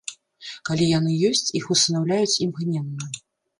Калі яны ёсць, іх усынаўляюць імгненна.